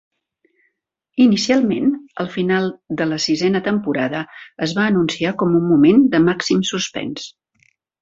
Inicialment, el final de la sisena temporada es va anunciar com un moment de màxim suspens.